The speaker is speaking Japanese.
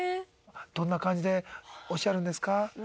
どんな感じでおっしゃるんですか？